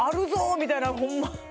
みたいなホンマ